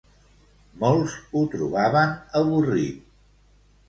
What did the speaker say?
Molts ho trobaven avorrit.